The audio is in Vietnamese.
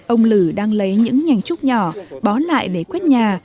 ông lử đang lấy những nhành trúc nhỏ bó lại để quét nhà